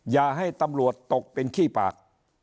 อย่าให้ตำรวจตกเป็นขี้ปาก